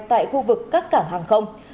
tại khu vực các cảng hàng không